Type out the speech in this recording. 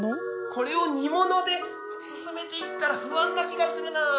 これを煮物で進めていったら不安な気がするな。